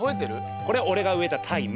これ俺が植えたタイム。